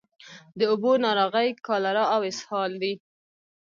د اوبو ناروغۍ کالرا او اسهال دي.